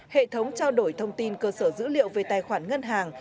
hệ thống trao đổi thông tin cơ sở dữ liệu về tài khoản ngân hàng